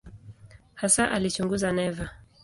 Hasa alichunguza neva.